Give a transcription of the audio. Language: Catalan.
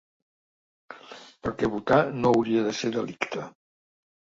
Perquè votar no hauria de ser delicte.